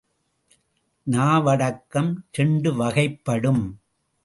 நாவடக்கம் இரண்டு வகைப்படும்.